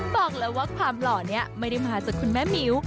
บอกแล้วว่าความหล่อนี้ไม่ได้มาจากคุณแม่มิ้ว